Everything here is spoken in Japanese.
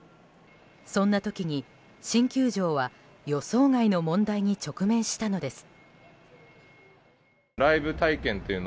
そんな時に、新球場は予想外の問題に直面したのです。